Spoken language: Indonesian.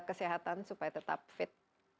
kesehatan supaya tetap fit